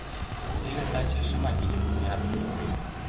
Теве таче Шымавийым тоят.